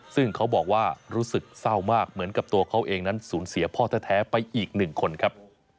ซึ่งเขาบอกว่ารู้สึกเศร้ามากเหมือนกับตัวเขาเองนั้นสูญเสียพ่อแท้ไปอีกหนึ่งคนครับ